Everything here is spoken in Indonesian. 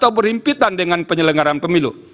dan ada juga pembentukan dengan penyelenggaran pemilu